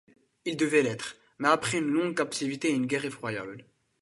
Il devait l'être, mais après une longue captivité et une guerre effroyable.